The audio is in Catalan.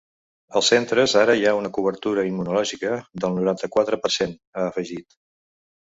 Als centres ara hi ha una cobertura immunològica del noranta-quatre per cent, ha afegit.